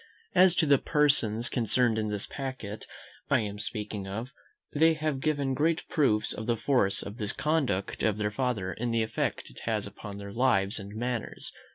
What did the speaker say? As to the persons concerned in this packet I am speaking of, they have given great proofs of the force of this conduct of their father in the effect it has upon their lives and manners.